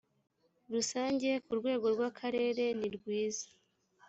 rusange ku rwego rw akarere nirwiza